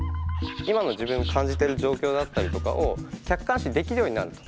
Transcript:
今の自分感じてる状況だったりとかを客観視できるようになると。